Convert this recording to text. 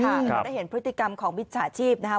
เราได้เห็นพฤติกรรมของวิชาชีพนะฮะ